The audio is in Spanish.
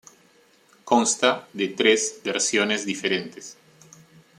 Consta de tres versiones diferentes.